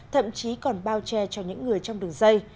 thậm chí còn bao che cho những người trong đường dây